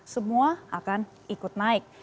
semua akan ikut naik